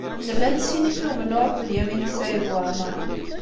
Nella nessinif i umennuɣ akked Lyamin n Saɛid Waɛmeṛ.